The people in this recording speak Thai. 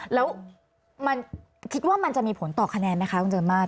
แล้วคิดว่ามันจะมีผลต่อคะแนนไหมคะ